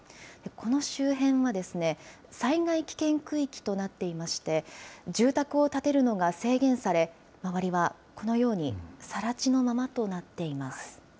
この周辺は、災害危険区域となっていまして、住宅を建てるのが制限され、周りはこのように、さら地のままとなっています。